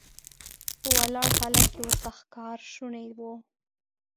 په ولاړ حالت کې ورته ښکار شونی و.